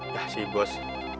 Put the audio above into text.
yah si bos